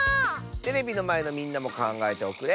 テレビのまえのみんなもかんがえておくれ。